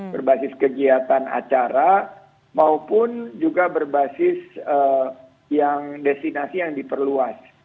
berbasis kegiatan acara maupun juga berbasis yang destinasi yang diperluas